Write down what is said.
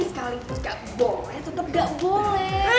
sekalipun gak boleh tetep gak boleh